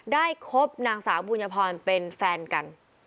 คบนางสาวบุญพรเป็นแฟนกัน